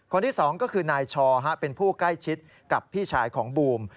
คนที่๒ก็คือนายชอเป็นผู้ใกล้ชิดกับพี่ชายของบูม